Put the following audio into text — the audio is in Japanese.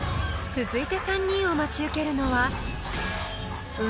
［続いて３人を待ち受けるのは運